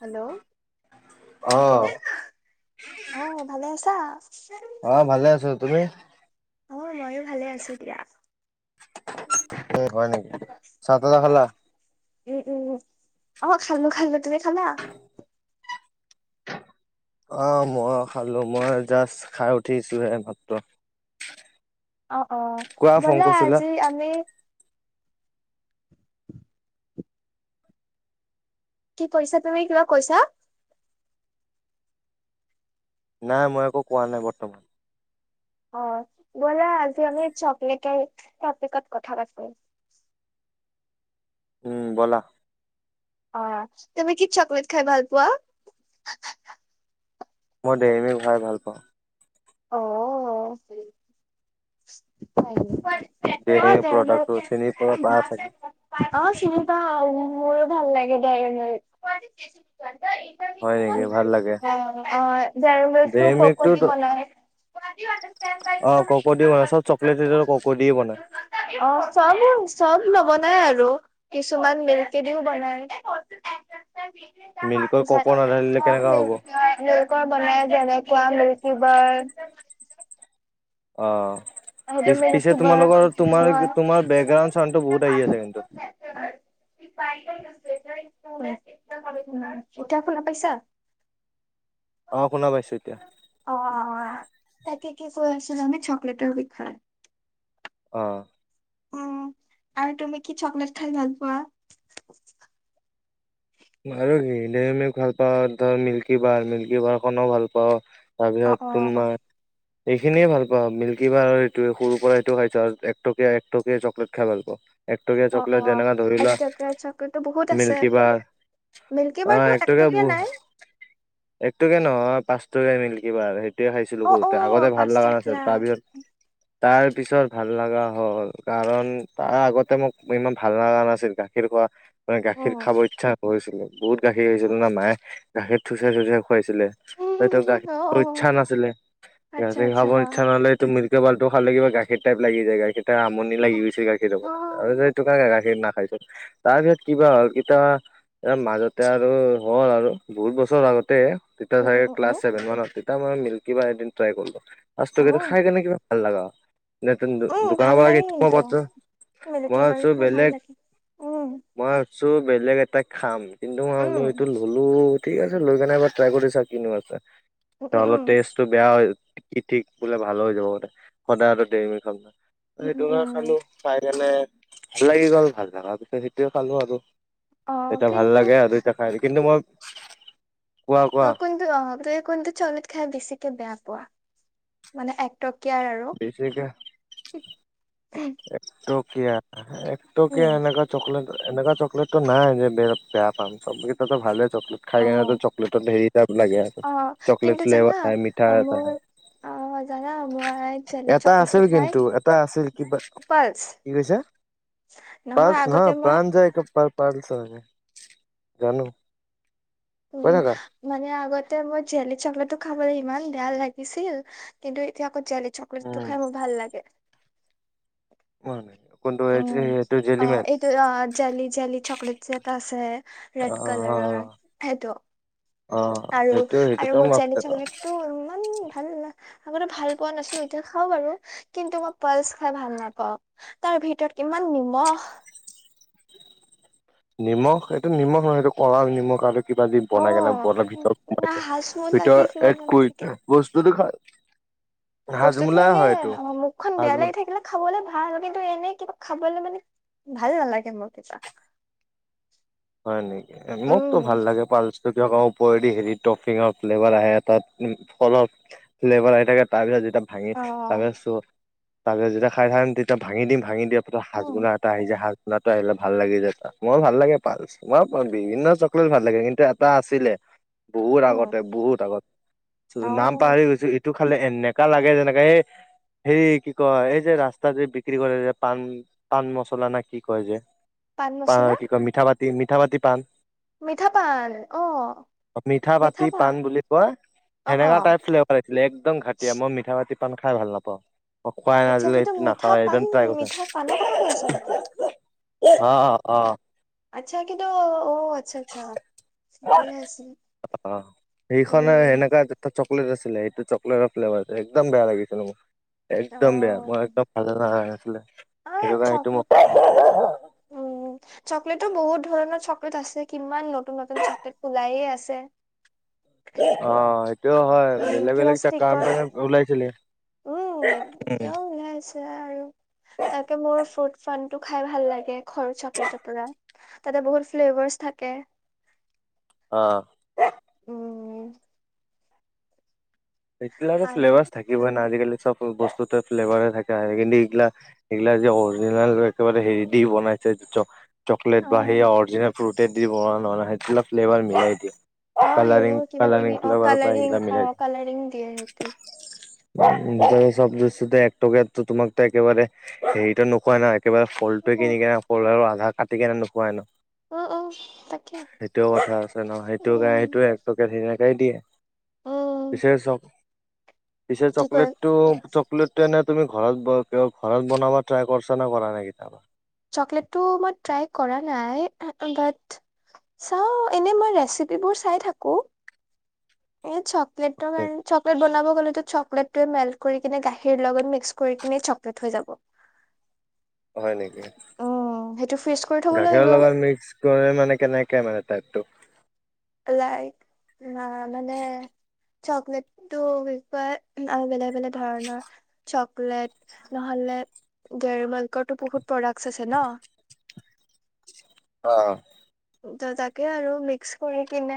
Hello অহ অহ ভালে আছা। উ [unintelligible] অ ভালে আছো তুমি। অ ময়ো ভালে আছো এতিয়া। স হয় নেকি ছত ত খালা। উম উম অ খাল নো খাললো তুমি খালা। অহ মই খালো মই জাষ্ট খাই উঠিছোহে মাত্ৰ। অ অ কোৱা ফোন ব'লা কৰিছিলা আজি আমি। কি কৰিছা তুমি কিবা কৈছা। নাই মই একো কোৱা নাই বৰ্তমান। অ বোলা আজি আমি চকলেটৰ কথাপাটো। উমহ ব'লা। অহ তুমি কি চকলেট খাই ভাল পোৱা? মই ডেৰিমিলক খাই ভাল পাওঁ। অও। অ ডেইৰী মিল্ক প্ৰডাক্টটো চিনি পোৱা পাই চাগে চিনি পাওঁ। ভাল লাগে দাইৰিমিলক। অ হয় নেকি ভাল লাগে অঝাৰু গছটো ডেইৰী বক মিল্কটো বনাই। অহ ক'ক' দি বনাই চব চকলেট ক'ক' দিয়ে বনাই চাম ইউ নবনাই। আৰু কিছুমান মিল্ক দিও বনাই। মিল্কৰ ক'ক' নাঢালিলে কেনেকা হ'ব মিলকৰ বনাই। যেনেকুৱা মিলকিবাৰ [inaudible] অহ। পিছে তোমালোকৰ তোমাৰ হয়। বেকগ্ৰাউণ্ড চাউডটো বহুত আহি আছে কিন্তু। এতিয়া শুনা পাইছা? অহ, শুনা পাইছোঁ এতিয়া। অ', অ', তাকে কি কৈ আছিলো আমি চকলেটৰ হৈ হয়। অহ। উম, আৰু তুমি কি চকলেট খাই ভাল পোৱা? আৰু কি ডেৰিমিলক ভাল পাওঁ আৰু মিল্কী বাৰ মিল্কীবাৰ খনো ভাল পাওঁ। অ', তাৰপিছত অ', তোমাৰ এইখিনিয়ে ভাল পাওঁ মিল্কী বাৰ এইটোৱে সৰুৰ পৰা আটোয়ে খাইছোঁ আৰু একটকীয়া একটকীয়া চকলেট খাই ভাল পাওঁ। একটকীয়া অ', চকলেট অ', যেনেকা ধৰি লোৱা একটকীয়া চকলেটটো বহুত আছে। মিল্কীবাৰ। মিল্কী অ', বাৰটো একটকীয়া বো নাই? একটকীয়া নহয় পাঁচ [unintelligible] ই মিলকিবাৰ সেই গুটেই খাইছিলো অ', সৰুতে আগতে অ', ভাল লগা নাছিল পাঁচটকীয়া তাৰ পিছত তাৰ পিছত ভাল লগা হ'ল কাৰণ তাৰ আগতে মোক ইমান ভাল লগা নাছিল গাখীৰ খোৱা মানে গাখীৰ অ'। খাব ইচ্ছা হৈছিলে বহুত গাখীৰ হৈছিল ন' মায়ে গাখীৰ থুছে থুছে খোৱাইছিলে সইটো অ', অ ইচ্ছা নাছিলে আচ্ছা গাখীৰ আচ্ছা খাব হা ইচ্ছা হা। নহ'লে এইটো মি লটো খালে কিবা গাখীৰ টাইপ লাগি যায় গাখীৰ এ আমনি লাগি গৈছিল গাখীৰ পৰা অ', সেইটো কাৰণে গাখীৰ নাখাই তাৰপিছত কিবা হ'ল ইতা ইয়াৰ মাজতে আৰু হ'ল আৰু বহুত বছৰ আগতে তেতিয়া উম, উম, চাগে উম, উম ক্লাছ চেভেন মান আছিলো। মই মিল্কী বাৰ এদিন ট্ৰাই কৰিলোঁ। সাস্থকেত অ', খাই কেনেবা ভাল লাগা উম, দোকানৰ ভাল পৰা কি লাগে মই কিন্তু। পছো মিল্কী মই বাৰ আছো খাই ভাল বেলেগ লাগে। উম, মই চো বেলেগ এটাক খাম। কিন্তু মই বোলো উম, এইটো ল'লো ঠিক আছে লৈ কেনে এবাৰ ট্ৰাই কৰি চাওঁক কিনো আছে। উম, উম, উম। অলৰ টেষ্টটো বেয়া কি ঠিক বোলে ভালো হৈ যাব বোলে সদায় দেৰিমি খাম উম উম সেইটো উম কাৰে খালো পাই কেনে ভাল লাগি গ'ল ভাল লগাৰ পিছত সেইটোৱে খালো আৰু অ এতিয়া ভাল কিন্তু লাগে আৰু এইটা খাই কিন্তু মই [unintelligible] কোৱা অ কোনটো অ ত কোনটো চকলেট খাই বেছিকে বেয়া পো ৱা মানে একট বছিকৈ এক ট এতিয়া এক তকীয়া উম এনেকোৱা চকলেট এনেকোৱা চকলেটতটো নাই যে বে বেয়া পাম চবকেইটো ভালে চকলেট অ খাই গেনে চকলেটৰ ধেৰি লাগে অ কিন্তু চকলেট জানা ফ্লেভাৰ মিঠা অ, এটা মোৰ অ জানা মই জেলি এটা চকলেটটো আছিল খাই কিন্তু এটা আছিল কিবা পালচ কি কৈছে পালচ আগতে নহয় মই প্ৰাণ্জয় পাৰ পাৰছ নে জানো কৈ উম থাকা মানে আগতে মই জেলি চকলেটটো খা খাবলৈ ইমান বেয়া লাগিছিল কিন্তু এতিয়া আকৌ জেলি চকলেটটো উম খাই মোৰ ভাল লাগে হয় উম অ এইটো অ জেলি জেলি চক লিটচি এটা আছে অ ৰেড কালাৰৰ সেইটো অ আৰু সেইটো আৰু সেইটোতো মোৰ মই জেলি চকলেট টো ইমান ভাল আগতে ভাল পোৱা নাছিলো এতিয়া খাও বাৰু কিন্তু মই পালচ খাই ভাল নাপাও তাৰ ভিতৰত কিমান নিমখ। নিমখ এইটো নিমখ নহয় এইটো কলা নিমখ আৰু কিবা যে অ বনাই কেনে বন ভিতৰত সোমাই না দিয়ে হাজমোলা দি ভিতৰত কিবা এড বনাই কৰি চাগে বস্তুটো খাই। বস্তুটো এনেই এইটো অ মুখখন বেয়া হাজমো লাগি থাকিলে খাবলে ভাল কিন্তু এনে কিবা খাবলে মানে ভাল নালাগে মোৰ কিবা। হয় নেকি মোকতো উম ভাল লাগে পালচ। তেতিয়া আকৌ ওপৰেদি হে টফিঙৰ ফ্লেভাৰ আহে তাত ফলৰ ফ্লেভাৰ আহি থাকে তাৰপিছত এ ভাঙি অ পাইছো তাৰপাছত যেতিয়া খাই চাম তেতিয়া ভাঙি দিম ভাঙি দিয়ক উম হাজমলা এটা আহি যায় হাজ ল'ৰাটো আহিলে ভাল লাগি যায় তাক মোৰ ভাল লাগে। মই বিভিন্ন চকলেট ভাল লাগে কিন্তু এটা আছিলে। বহুত উম আগতে বহুত আগত অ নাম পাহৰি গৈছোঁ এইটো। খালে এনেকা লাগে যেনেকে এই হেৰি কি কয় এই যে ৰাস্তা যে বিক্ৰী কৰে যে পাণ পাণ মচলা নে কি কয় যে। পাণ বা মছলা কি কয় মিঠা পাণ মিঠা পাতি পান মিঠা পাণ অ মিঠা পাতি পান বুলি কয় অ অ সেনেকা টাইপ ফ্লেভাৰ আছিলে একদম ঘাটিয়া মই মিঠা পাতি। পান খাই ভাল নাপাওঁ। অ খোৱাই নাই আচ্ছা আজিলৈ সেইটোৰ সেইটো মিঠা নাখাওৱে একদম পান ট্ৰাই কৰিছা মিঠা পানৰ কথা কৈ আছা নেকি। অ অহ। আচ্ছা কিন্তু। অ আচ্ছা আচ্ছা ঠিকে আছে অ সেইখন উম সেনেকা। চকলেট আছিলে সেইটো চকলেটৰ ফ্লেভাৰটো একদম বেয়া লাগিছিলে মোৰ। একদম বেয়া মই একদম ভাল লে অ চকলেটো উম চকলেটো বহুত ধৰণৰ। ক'ত আছে কিমান নতুন নতুন চকলেট উলাইয়ে আছে। অ সেইটোও হয় উম বেলেগ কিবা বেলেগ এটা ষ্টিকত কামহে ওলাইছিলে। উম এতিয়াও ওলাই আছে আৰু তাকে মোৰ ফ্ৰুট ফণটো খাই ভাল লাগে সৰু চকলেটৰ পৰা তাতে বহুত ফ্লেভাৰ্চ থাকে। অ উম এতিলাকা আৰু ফ্লেভাৰ্চ থাকিব না আজিকালি চব বস্তুতে ফ্লেভাৰ থাকে আহ কিন্তু এইগিলা এইগিলা যে অৰিজিনেল একেবাৰে হেৰি দি বনাইছে অ চকলেট বা সেই অৰিজিনেল ফ্ৰুটে দি বনা নহ'লে সেইবিলাক ফ্লেভাৰ মিলাই দিয়ে। অ কালাৰিং সেইবোৰ কিবা কালাৰিং কিবি অ ফ্লেভাৰ পৰা কালাৰিং সেইগিলা অ মিলাই কালাৰিং দিয়ে। [inaudible] চব দশতে একটকো তোমাকতো একেবাৰে হেৰিতটো নোোকোৱা নাই একবাৰে ফলটোৱে উম কিনিনে ফল আৰু ধৰা কাটি কেনে নোখোৱাই ন উম উম তাকে সেইটোয়ে কথা আছে ন সেইটো কাৰণ উম সেইটোে একটকে ধুন বাই দিয়ে উম, পিছে চব পিছে কি কয় চকলেট টো চকলেট তো এনে তুমি ঘৰত ঘৰত বনাবা ট্ৰাই কৰিছা নে কৰা নাই কেয়াবা চকলেটটো মই ট্ৰাই কৰা নাই বাট চাওঁ এনে মই ৰেচিপিবোৰ চাই থাকোঁ এ চ প্লেটৰ কাৰণে চকলেট বনাব চকলেটে মেলট কৰি কিনে গাখীৰ লগত মিক্স কৰি কিনে চকলেট হৈ যাব। হয় নেকি উম, সেইটো ফ্ৰিজ কৰি থ'ব গাখীৰৰ লাগিব লগত মিক্স কৰি মানে কেনেকে মানে টাইপটো লাইক মানে চকলেটটো ক বেলেগ বেলেগ ধৰণৰ চকলেট নহলে গৰ মাল্কৰো বহুত প্ৰডাক্ আছে ন অহ ', ত তাকে আৰু মিক্স কৰি কিনে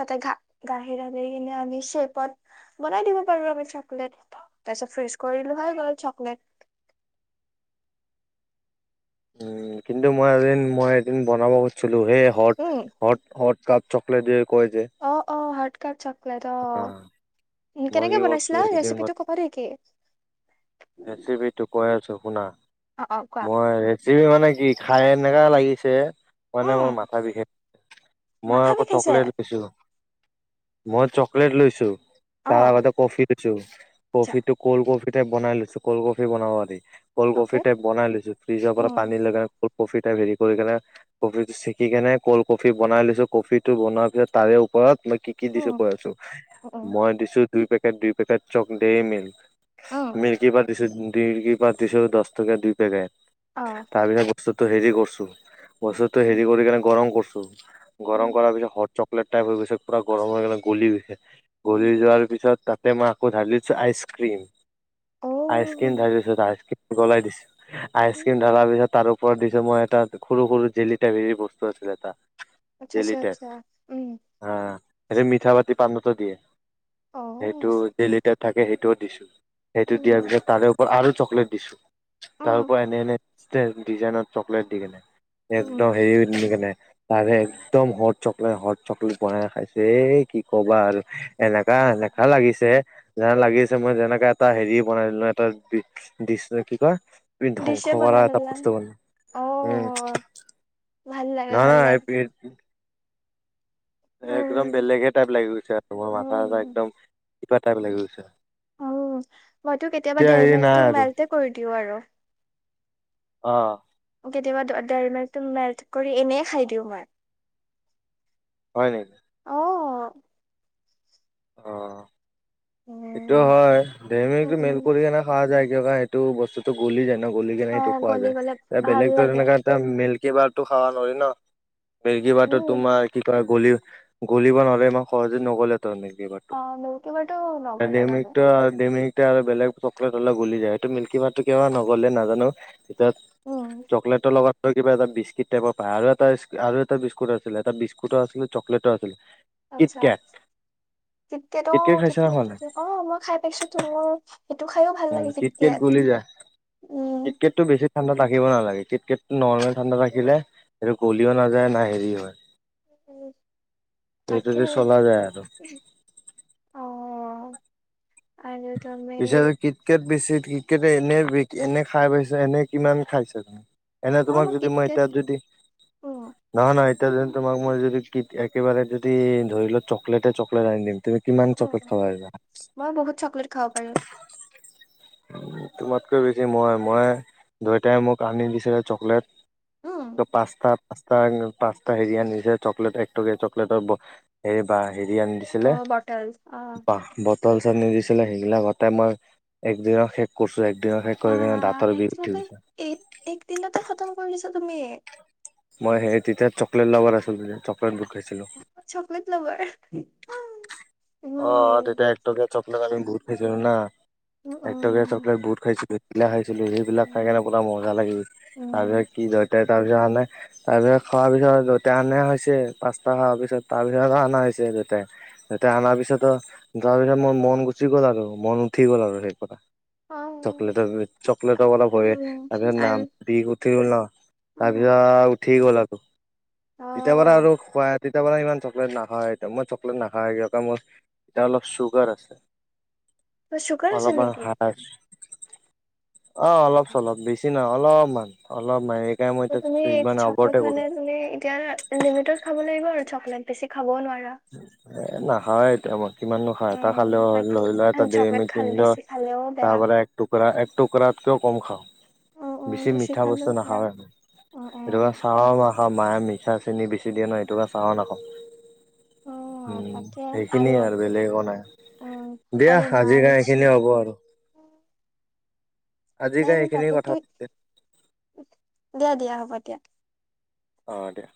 তাতে ঘা গাখীৰ আনি কিনে আমি শ্বেপত বনাই দিব পাৰো আমি চকলেট তাৰপিছত ফ্ৰিজ কৰিলো হৈ গ'ল চকলেট। উম, কিন্তু মই এদিন মই এদিন বনাব খুজছিলো। লোহে হট- উম হট-হট কাপ। চকলেট দ কয় যে? কাৰ চক লেট অ অহ', মই কি কেনেকে কৰিছো বনাইছিলা এইকেইদিন ৰেচিপিটো কবা নেকি? ৰেচিপিটো কৈ আছো শুনা অ অ কোৱা মই ৰেচিপি মানে কি খাই খাই এনেকা লাগিছে। মানে উম মোৰ মাথা বিষাই মই মাথা আকৌ বিষাইছে চকলেট লৈছিলো। মই চকলেট লৈছো। অ তাৰ আগতে কফি দিছো আচ্ছা কফি টো ক'ল্ড কফি। বনাই লৈ। কল কফি বনাব পাৰি। কল কফি অকে টাইপ বনাই লৈছো ফ্ৰিজৰ পৰা উম পানী লগাই কফি তাক হেৰি কৰি কিনে কফি টো চেকি কেনে কল্ড কফি বনাই লৈছো। কফি টো বনোৱাৰ পিছত তাৰে ওপৰত কি - কি দিছো উম কৈ আছো উম মই দিছো দুই পে দুই পেকেট চকলে মিল। উম মিল্ক দু কি পাতিশ দশ টকা দুই পে। অ তাৰপিছত। পিছতো হেৰি কৰছো। বস্তুতটো উম হেৰি কৰি কেনে গৰম কৰচো। গৰম উম কৰাৰ পিছত হট চকলেট টাইপ হৈ গৈছে পুৰা গৰম হৈ গলে গলি গৈছে। উম ঘূৰি যোৱাৰ পিছত তাক তাতে মই আকৌ ঢালি দিছোঁ আইচক্ৰীম। অ আইসক্ৰীম ঢালি দিছো আইসক্ৰীম। গলাই দিছে। উম আইচক্ৰীম ঢালাৰ পিছত তাৰ ওপৰত দিছো মই এটা সৰু-সৰু জেলি টাইপ হেৰি বস্তু আছিল এটা। আচ্ছা জেলি আচ্ছা টাইপ আচ্ছা উম হা সেইটো মিঠা বাতি পাণটো দিয়ে। অ সেইটো জেলি তাইপ থাকে সেইটোও দিছোঁ সেইটো উম দিয়াৰ পিছত তাৰো আৰু চকলেট দিছোঁ তাৰ উম পৰা এনে এনে ষ্টেন ডিজাইনত চকলেট দি কেনে। একদম হেৰি হৈ তুনি কেনে তাৰে একদম হট চকলেট হট চকলেট বনাই খাইছে এ কি কবা আৰু এনেকা উম এনেকা লাগিছে যেনে লাগিছে মই যেনেকাত এটা হেৰি বনাই দিলো এটা নিশ্চয় কি ক পৃথিবী ডিছে ধ্বংস কৰা বনাই এটা ললা প্ৰস্তাৱ অ উম ভাল লাগে ভাল নহয় লাগে নহয় একদম উম বেলেগে টাইপ লাগি গৈছে আৰু মোৰ মাথা উম চাথা একদম কিবা টাইপ লাগি গৈছে উম মইতো কেতিয়াবা এতিয়া দেৰ হেৰি নাই মাইলটো আৰু মাইলতে কৰিলো। দিওঁ আৰু অ কেতিয়াবা দেৰি মেলথ কৰি এনেই খাই দিওঁ মই হয় নেকি অ অ এইটো উম হয় দেৰিমেলটো মেল উম কৰি এনে খোৱা যায় কেতিয়াবা সেইটো বস্তুটো গ'লি যায় ন? গলি কিনে অ সেটো খোৱা গলি যায় গলে এ ভাল বেলেগ ধৰণৰ লাগে এনেকা এটা মিলিক একেবাৰতো খাৱা নোৱাৰি ন? মেৰ্গী বাটত উম তোমাৰ কি কয়। গলি গলিব নোৱাৰে ইমান সহজে ন'গলে ত দেও বাৰটো অ মিল্কী বাৰটো নগলে ডিমিক বাৰু ত ডিমিক এতিয়া আৰু বেলেগ চকলেট হলে গলি যায় সেইটো মিল্কী বাৰটো কিয় নগ'লে নাজানো? পিছত উম চকলেটৰ লগত ত কিবা এটা বিস্কিট টাইপৰ পাই আৰু এটা আৰু এটা বিস্কুট আছিল এটা বিস্কুটো আছিলে চকলেটো আছিলে। আচ্ছা কিটকেট কিতকেট অ কিটকেট খাইছা নে কিতকেট খোৱা নাই অ মই খাই পাইছো ত মোৰ সেইটো খাইও ভাল উম, লাগে কিটকেট ‌কিটকেট গলি যায় উম ক্ৰিকেটটো বেছি ঠাণ্ডাত ৰাখিব নালাগে কিটকেতটো নৰ্মেল ঠাণ্ডাত ৰাখিলে সেইটো গলিও নাযায় না হেৰি হয়। উম সেইটো তাকে, দি চলা যায় আৰু অহঁ অহঁ, আৰু তুমি পিছে কিতকাট বেছি কিটকাট এনে এনে খাই পাইছে এনে কিমান খাইছা তুমি এনে অ তোমাক যদি মই কিটকেট এতিয়া যদি উম নহয় নহয় এতিয়া যদি তোমাক মই যদি কিট একেবাৰে দি যদি ধৰি লওঁ চকলেটে চকলেটে আনি দিম। তুমি কিমান চকলেট খাবা পাৰিবা। পাৰু উ তোমাতকৈ বেছি মই মই দেটাই মোক আনি দিছিলে চকলেট- উম ত পাঁচ তাঁত পাঁচটা পাঁচটা হেৰি আনিছে চকলেট একটকীয়া চকলেটৰ ব হে বা হেৰি আনি অ দিছিলে বটল অ বাঁহ বদ তাল চাল নিজ সেইগিলাক সেইগিলা গতে মই একদিনত শেষ কৰিছো একদিনত শেষ বা কৰি কিনে দাঁতৰ বিষ উঠি একদিনতে গৈছে এক এক দিনতে খতম কৰি দিছ তুমি মই সেই তেতিয়াত চকলেট লাবাৰ আছিলো তেতিয়া চকলেট খাইছিলো চকলেট্ লাবাৰ [unintelligible] অ তেতিয়া একটকীয়া চক আমি বহুত খাইছিলোঁ নহ। উম একটকীয়া উম চকলেট বহুত খাইছিলোঁ লাহে ছিলো সেইবিলাক খাই কেনে উম মজা লাগি তাৰ উম পিছত কি তাৰপিছত আনে তাৰপিছত খোৱাৰ পিছত যতে অনা হৈছে পাঁচটা খোৱাৰ পিছত তাৰপিছত অনা হৈছে দেতাঁই, দেতাঁ অনাৰ পিছত তাৰ পিছত যোৱাৰ পিছত মোৰ মন গুচি গ'ল আৰু মন উঠি গ'ল আৰু সেই কথা অ চকলেটৰ চকলেটৰ অলপ হয় উম তাৰপিছত নাম আৰু বি তলা তাৰপিছত উম আ উঠি গ'ল। অ তেতিয়াৰ পৰা আৰু খুৱাই তেতিয়া পৰা ইমান চকলেট নাখায় এ মই চকলেট নাখায় ক মই এতিয়া অলপ চুগাৰ আছে। তোমাৰ চুগাৰ আছে অলপমান নেকি হাঁচ- অ অলপ চলপ বেছি নহয় অলপমান অলপ মান তুমি চকলেট মানে তুমি এতিয়া লিমিটত খাব লাগিব আৰু চকলেট বেছি খাবও নোৱাৰে। হে না। হয় এতিয়া মই কিমান নো খাওঁ এটা উম খালেও তাকে ধৰি লোৱা এটা চকলেট দেৰিমিল্ক খাল কিনিলে বেছি খালেও তাৰ বেয়া। পৰা এক টুকুৰা এক টুকুৰাতকৈও কম উম খাওঁ। উম বেছি মিঠা খালেও বস্তু বেয়া। নাখাওঁ আৰু উম উম। সেইটো কাৰণে চাও মই খাওঁ মায়া মি- চাহ চেনি বেছি দিয়ে নয়, এইটো কাৰণে চাও নাখাওঁ। অ উম সেইখিনিয়ে আৰু বেলেগো একো নাই, উম দিয়া আৰু আজিৰা মাঞ্চ এইখিনিয়ে হ'ব আৰু। আজিৰ নাই কাৰণে মোৰ এইখিনি কথা বাপেকতো পাতিম দিয়া দিয়া হ'ব। তিয়া অ দিয়া।